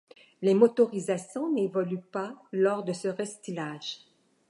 Les motorisations n'évoluent pas lors de ce restylage.